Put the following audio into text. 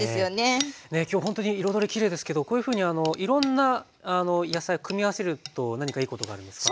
今日ほんとに彩りきれいですけどこういうふうにいろんな野菜組み合わせると何かいいことがあるんですか？